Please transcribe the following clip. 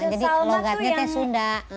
jadi logatnya teh sunda